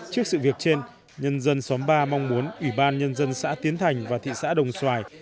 trước sự việc trên nhân dân xóm ba mong muốn ủy ban nhân dân xã tiến thành và thị xã đồng xoài